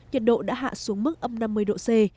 nhiệt độ đã hạ xuống mức âm năm mươi độ c